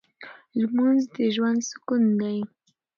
لمونځ د ژوند سکون دی.